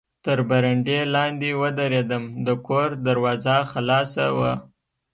تر برنډې لاندې و درېدم، د کور دروازه خلاصه وه.